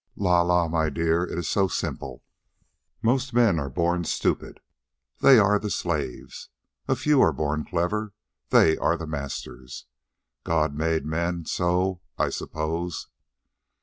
"La la, my dear, it is so simple. Most men are born stupid. They are the slaves. A few are born clever. They are the masters. God made men so, I suppose."